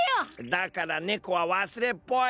だからねこはわすれっぽい。